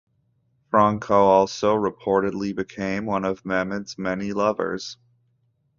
Franco also reportedly became one of Mehmed's many lovers.